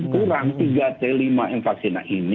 kurang tiga t lima infeksi